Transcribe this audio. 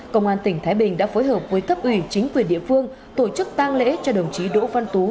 công an tỉnh thái bình đã phối hợp với cấp ủy chính quyền địa phương tổ chức tang lễ cho đồng chí đỗ văn tú